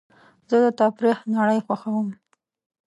زه د تفریح نړۍ خوښوم.